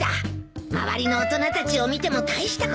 周りの大人たちを見ても大したことないもん。